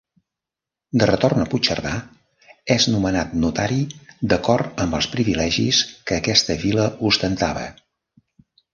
De retorn a Puigcerdà és nomenat notari d'acord amb els privilegis que aquesta Vila ostentava.